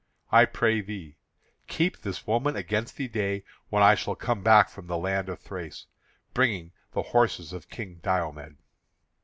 I pray thee, keep this woman against the day when I shall come back from the land of Thrace, bringing the horses of King Diomed.